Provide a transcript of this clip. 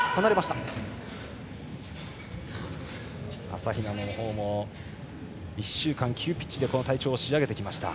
朝比奈のほうも１週間、急ピッチで体調を仕上げてきました。